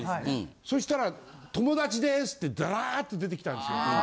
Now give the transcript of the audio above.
そしたら友達ですってダラーっと出てきたんですよ。